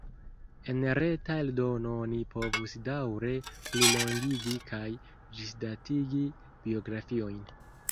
En reta eldono oni povus daŭre plilongigi kaj ĝisdatigi biografiojn.